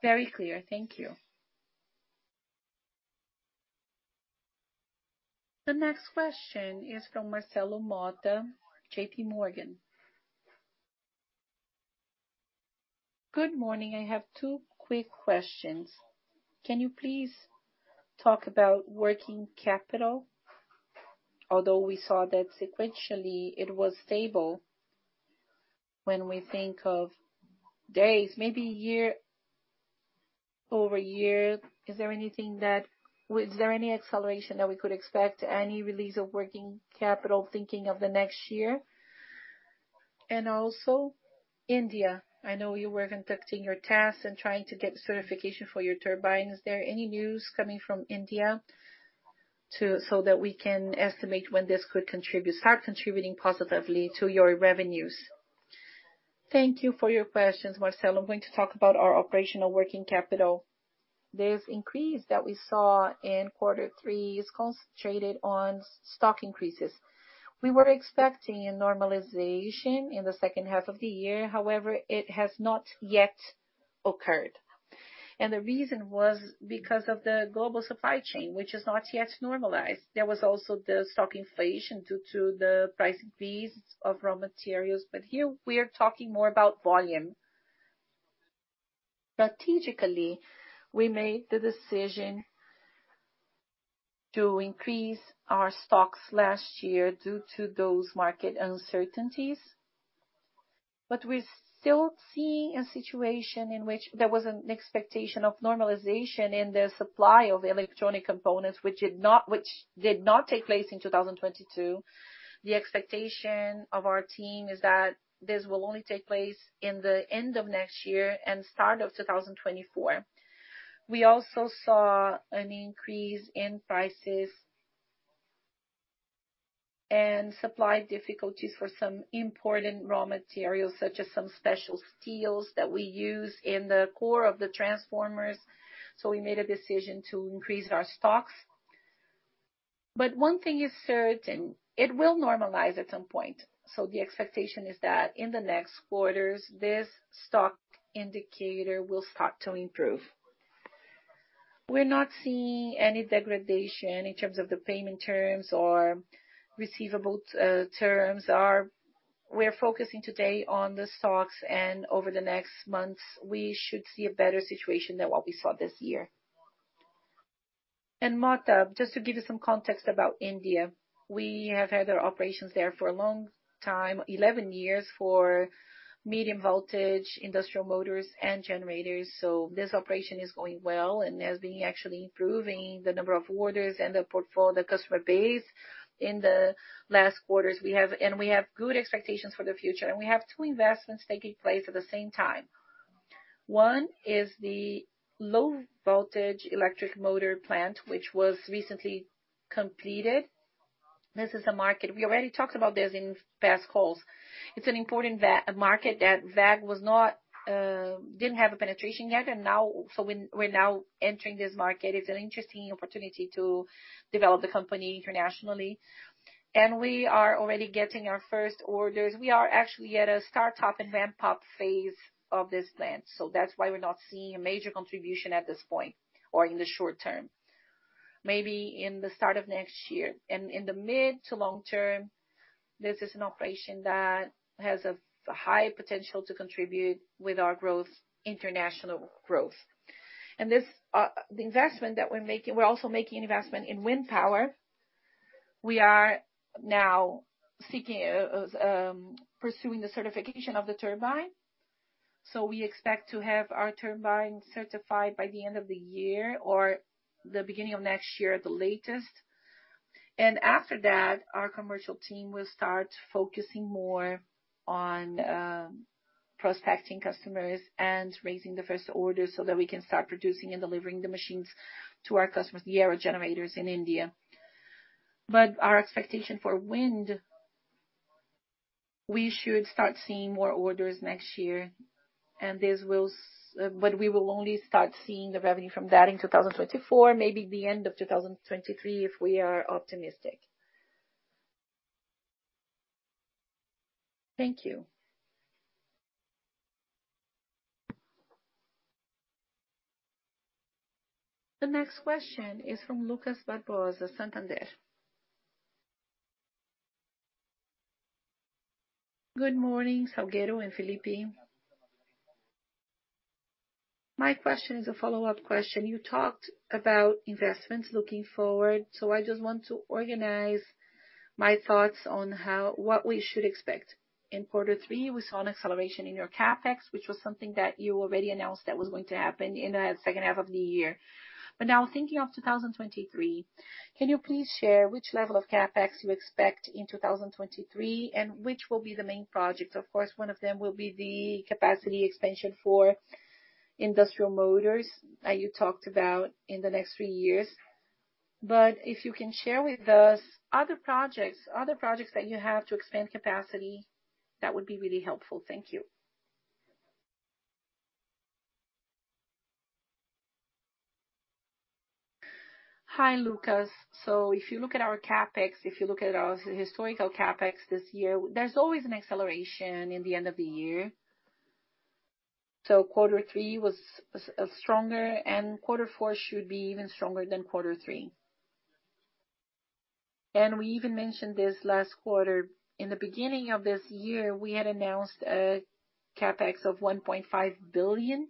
Very clear. Thank you. The next question is from Marcelo Motta, JPMorgan. Good morning. I have two quick questions. Can you please talk about working capital? Although we saw that sequentially it was stable, when we think of days, maybe year-over-year, is there anything that Is there any acceleration that we could expect, any release of working capital thinking of the next year? Also, India, I know you were conducting your tests and trying to get certification for your turbines. Is there any news coming from India so that we can estimate when this could start contributing positively to your revenues? Thank you for your questions, Marcelo. I'm going to talk about our operational working capital. This increase that we saw in quarter three is concentrated on stock increases. We were expecting a normalization in the second half of the year, however, it has not yet occurred. The reason was because of the global supply chain, which is not yet normalized. There was also the stock inflation due to the price increase of raw materials, but here we are talking more about volume. Strategically, we made the decision to increase our stocks last year due to those market uncertainties. We still see a situation in which there was an expectation of normalization in the supply of electronic components, which did not take place in 2022. The expectation of our team is that this will only take place in the end of next year and start of 2024. We also saw an increase in prices and supply difficulties for some important raw materials, such as some special steels that we use in the core of the transformers, so we made a decision to increase our stocks. One thing is certain, it will normalize at some point. The expectation is that in the next quarters, this stock indicator will start to improve. We're not seeing any degradation in terms of the payment terms or receivable terms. We're focusing today on the stocks, and over the next months, we should see a better situation than what we saw this year. Motta, just to give you some context about India, we have had our operations there for a long time, 11 years, for medium voltage, industrial motors, and generators. This operation is going well and has been actually improving the number of orders and the customer base in the last quarters we have. We have good expectations for the future, and we have two investments taking place at the same time. One is the low voltage electric motor plant, which was recently completed. This is a market. We already talked about this in past calls. It's an important market that WEG was not, didn't have penetration yet, and now we're entering this market. It's an interesting opportunity to develop the company internationally. We are already getting our first orders. We are actually at a start-up and ramp-up phase of this plant. That's why we're not seeing a major contribution at this point or in the short-term. Maybe in the start of next year. In the mid-to long-term, this is an operation that has a high potential to contribute with our growth, international growth. This, the investment that we're making, we're also making an investment in wind power. We are now pursuing the certification of the turbine. We expect to have our turbine certified by the end of the year or the beginning of next year at the latest. After that, our commercial team will start focusing more on prospecting customers and raising the first order so that we can start producing and delivering the machines to our customers, the aerogenerators in India. Our expectation for wind, we should start seeing more orders next year, and this will. We will only start seeing the revenue from that in 2024, maybe the end of 2023, if we are optimistic. Thank you. The next question is from Lucas Barbosa, Santander. Good morning, Salgueiro and Felipe. My question is a follow-up question. You talked about investments looking forward. I just want to organize my thoughts on what we should expect. In quarter three, we saw an acceleration in your CapEx, which was something that you already announced that was going to happen in the second half of the year. Now thinking of 2023, can you please share which level of CapEx you expect in 2023, and which will be the main project? Of course, one of them will be the capacity expansion for industrial motors that you talked about in the next three years. If you can share with us other projects that you have to expand capacity, that would be really helpful. Thank you. Hi, Lucas. If you look at our CapEx, if you look at our historical CapEx this year, there's always an acceleration in the end of the year. Quarter three was stronger, and quarter four should be even stronger than quarter three. We even mentioned this last quarter. In the beginning of this year, we had announced a CapEx of 1.5 billion,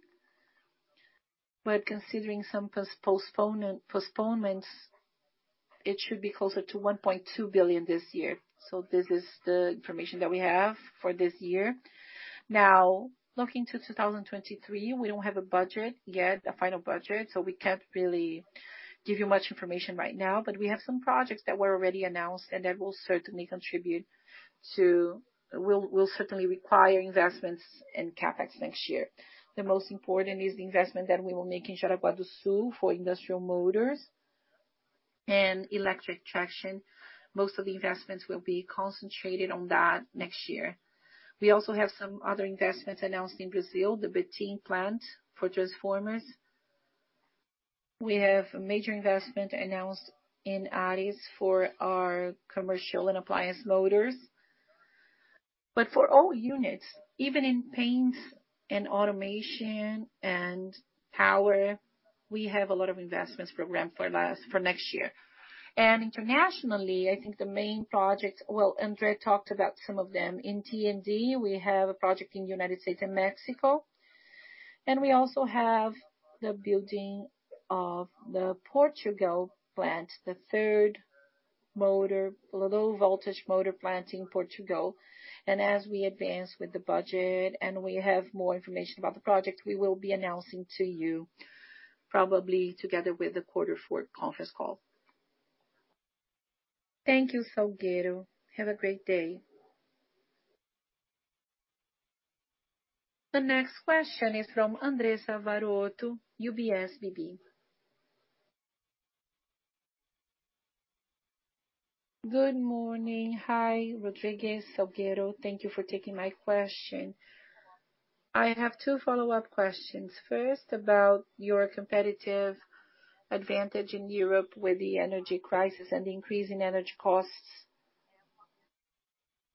but considering some postponements, it should be closer to 1.2 billion this year. This is the information that we have for this year. Now, looking to 2023, we don't have a budget yet, a final budget, so we can't really give you much information right now. We have some projects that were already announced and that will certainly require investments in CapEx next year. The most important is the investment that we will make in Jaraguá do Sul for industrial motors and electric traction. Most of the investments will be concentrated on that next year. We also have some other investments announced in Brazil, the Betim plant for transformers. We have a major investment announced in Linhares for our commercial and appliance motors. For all units, even in paints and automation and power, we have a lot of investments programmed for next year. Internationally, I think the main project. Well, André talked about some of them. In T&D, we have a project in the United States and Mexico, and we also have the building of the Portugal plant, the third low voltage motor plant in Portugal. As we advance with the budget and we have more information about the project, we will be announcing to you probably together with the quarter four conference call. Thank you, Salgueiro. Have a great day. The next question is from Andressa Varotto, UBS BB. Good morning. Hi, Rodrigues, Salgueiro. Thank you for taking my question. I have two follow-up questions. First, about your competitive advantage in Europe with the energy crisis and the increase in energy costs.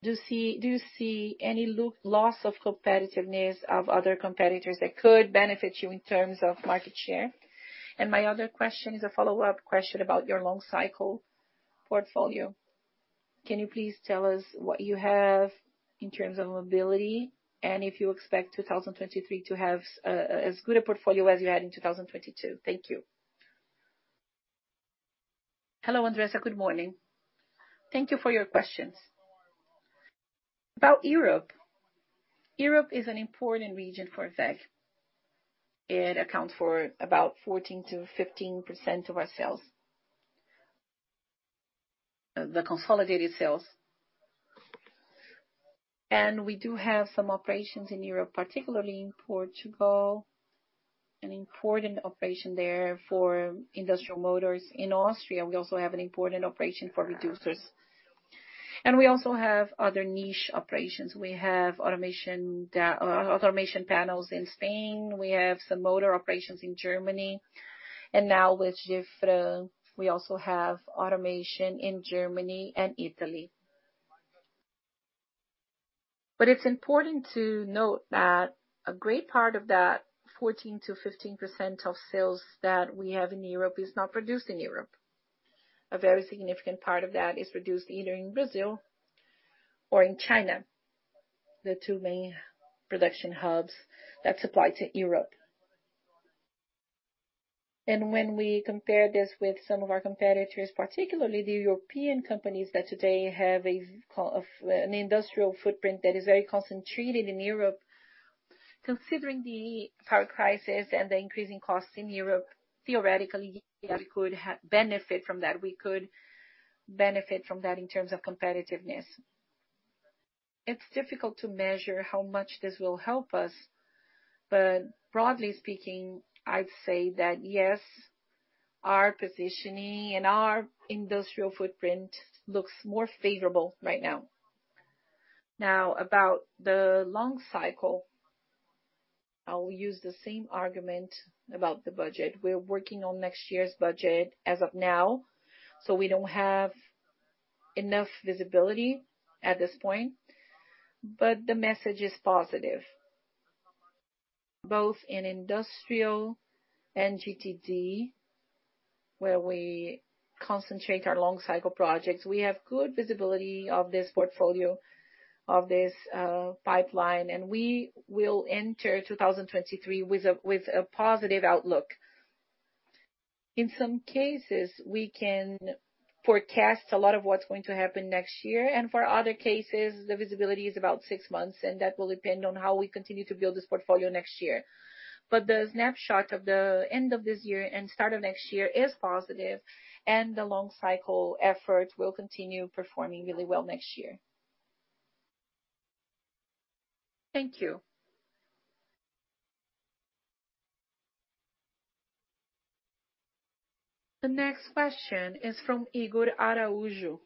Do you see any loss of competitiveness of other competitors that could benefit you in terms of market share? My other question is a follow-up question about your long cycle portfolio. Can you please tell us what you have in terms of mobility and if you expect 2023 to have as good a portfolio as you had in 2022? Thank you. Hello, Andressa. Good morning. Thank you for your questions. About Europe is an important region for WEG. It accounts for about 14%-15% of our sales, the consolidated sales. We do have some operations in Europe, particularly in Portugal, an important operation there for industrial motors. In Austria, we also have an important operation for reducers. We also have other niche operations. We have automation panels in Spain. We have some motor operations in Germany. Now with Gefran, we also have automation in Germany and Italy. It's important to note that a great part of that 14%-15% of sales that we have in Europe is not produced in Europe. A very significant part of that is produced either in Brazil or in China, the two main production hubs that supply to Europe. When we compare this with some of our competitors, particularly the European companies that today have an industrial footprint that is very concentrated in Europe, considering the power crisis and the increasing costs in Europe, theoretically, we could benefit from that. We could benefit from that in terms of competitiveness. It's difficult to measure how much this will help us, but broadly speaking, I'd say that yes, our positioning and our industrial footprint looks more favorable right now. Now about the long cycle, I will use the same argument about the budget. We're working on next year's budget as of now, so we don't have enough visibility at this point, but the message is positive. Both in industrial and GTD, where we concentrate our long cycle projects. We have good visibility of this portfolio, of this pipeline, and we will enter 2023 with a positive outlook. In some cases, we can forecast a lot of what's going to happen next year, and for other cases, the visibility is about six months, and that will depend on how we continue to build this portfolio next year. The snapshot of the end of this year and start of next year is positive, and the long cycle effort will continue performing really well next year. Thank you. The next question is from Ygor Araujo.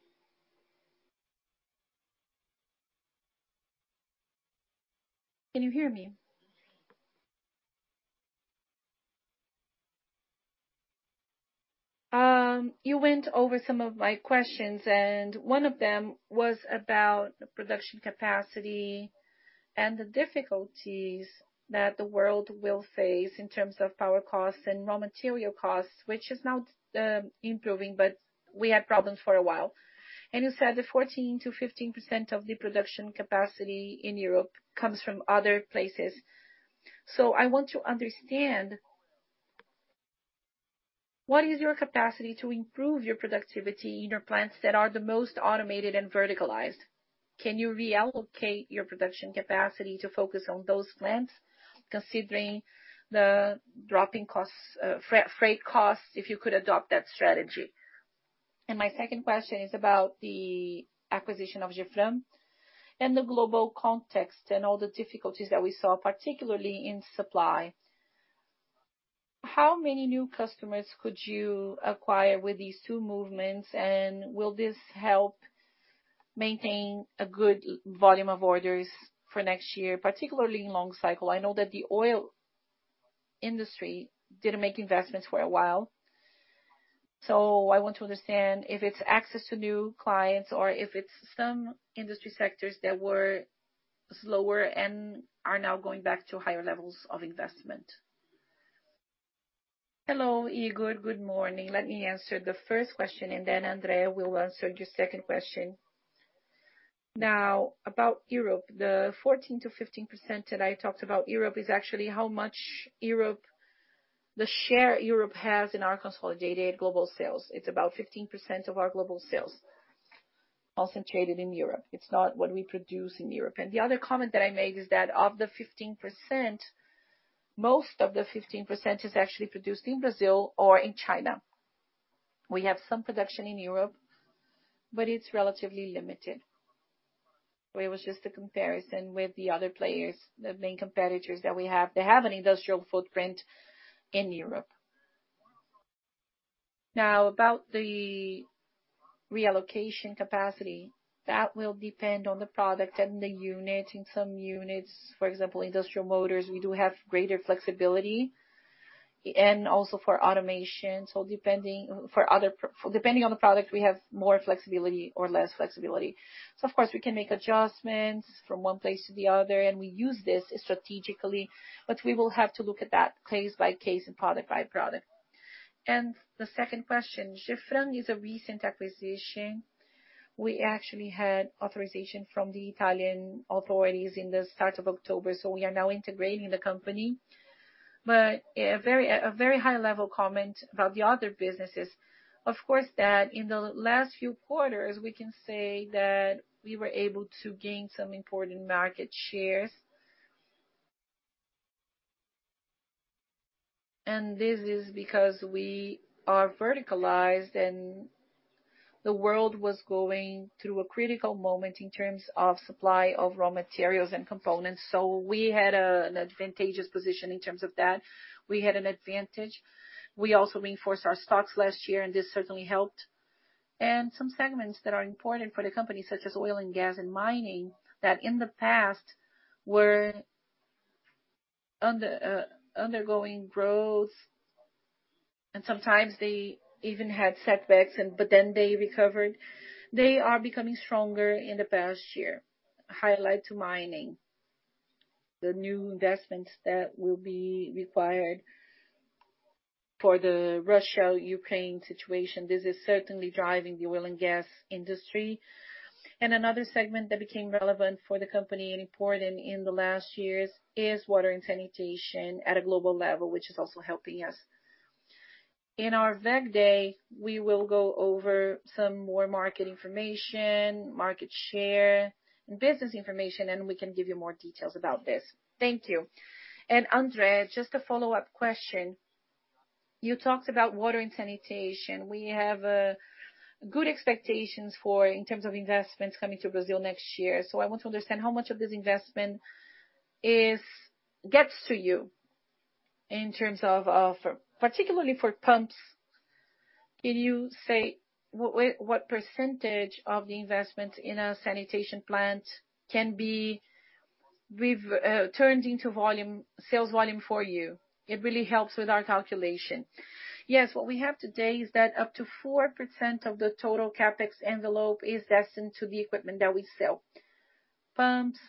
Can you hear me? You went over some of my questions, and one of them was about the production capacity and the difficulties that the world will face in terms of power costs and raw material costs, which is now improving, but we had problems for a while. You said that 14%-15% of the production capacity in Europe comes from other places. I want to understand, what is your capacity to improve your productivity in your plants that are the most automated and verticalized? Can you reallocate your production capacity to focus on those plants, considering the dropping costs, freight costs, if you could adopt that strategy? My second question is about the acquisition of Gefran and the global context and all the difficulties that we saw, particularly in supply. How many new customers could you acquire with these two movements, and will this help maintain a good volume of orders for next year, particularly in long cycle? I know that the oil industry didn't make investments for a while. I want to understand if it's access to new clients or if it's some industry sectors that were slower and are now going back to higher levels of investment. Hello, Ygor. Good morning. Let me answer the first question, and then André will answer your second question. Now, about Europe, the 14%-15% that I talked about is actually the share Europe has in our consolidated global sales. It's about 15% of our global sales concentrated in Europe. It's not what we produce in Europe. The other comment that I made is that of the 15%, most of the 15% is actually produced in Brazil or in China. We have some production in Europe, but it's relatively limited. It was just a comparison with the other players, the main competitors that we have. They have an industrial footprint in Europe. Now, about the reallocation capacity, that will depend on the product and the unit. In some units, for example, industrial motors, we do have greater flexibility, and also for automation. Depending on the product, we have more flexibility or less flexibility. Of course, we can make adjustments from one place to the other, and we use this strategically, but we will have to look at that case by case and product by product. The second question, Gefran is a recent acquisition. We actually had authorization from the Italian authorities in the start of October, so we are now integrating the company. A very high-level comment about the other businesses, of course, that in the last few quarters, we can say that we were able to gain some important market shares. This is because we are verticalized, and the world was going through a critical moment in terms of supply of raw materials and components. We had an advantageous position in terms of that. We had an advantage. We also reinforced our stocks last year, and this certainly helped. Some segments that are important for the company, such as oil and gas and mining, that in the past were undergoing growth, and sometimes they even had setbacks, but then they recovered. They are becoming stronger in the past year. Highlight to mining. The new investments that will be required for the Russia-Ukraine situation, this is certainly driving the oil and gas industry. Another segment that became relevant for the company and important in the last years is water and sanitation at a global level, which is also helping us. In our WEG Day, we will go over some more market information, market share, and business information, and we can give you more details about this. Thank you. André, just a follow-up question. You talked about water and sanitation. We have good expectations in terms of investments coming to Brazil next year. I want to understand how much of this investment gets to you in terms of, particularly for pumps? Can you say what percentage of the investment in a sanitation plant can be turned into volume, sales volume for you? It really helps with our calculation. Yes, what we have today is that up to 4% of the total CapEx envelope is destined to the equipment that we sell. Pumps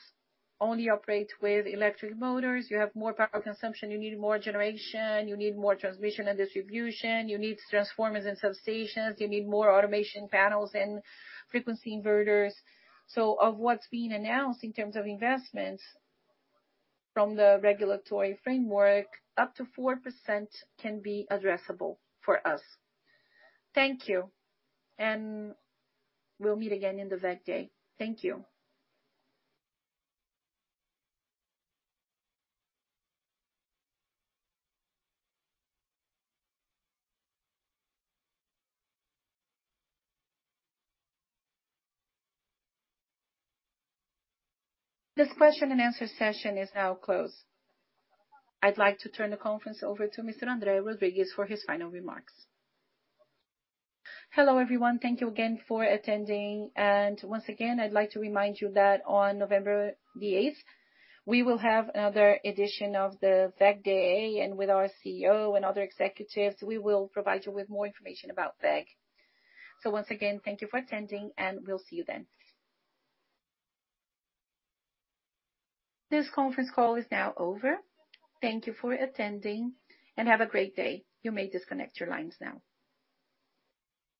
only operate with electric motors. You have more power consumption, you need more generation, you need more transmission and distribution, you need transformers and substations, you need more automation panels and frequency inverters. Of what's being announced in terms of investments from the regulatory framework, up to 4% can be addressable for us. Thank you. We'll meet again in the WEG Day. Thank you. This question and answer session is now closed. I'd like to turn the conference over to Mr. André Luís Rodrigues for his final remarks. Hello, everyone. Thank you again for attending. Once again, I'd like to remind you that on November 8th, we will have another edition of the WEG Day. With our CEO and other executives, we will provide you with more information about WEG. Once again, thank you for attending, and we'll see you then. This conference call is now over. Thank you for attending, and have a great day. You may disconnect your lines now.